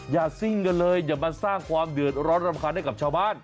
ซิ่งกันเลยอย่ามาสร้างความเดือดร้อนรำคาญให้กับชาวบ้าน